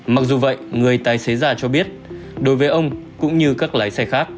mặc dù vậy người tài xế già cho biết đối với ông cũng như các lái xe khác